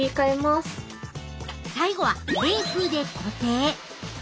最後は冷風で固定。